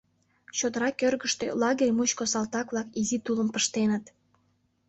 Чодыра кӧргыштӧ лагерь мучко салтак-влак изи тулым пыштеныт.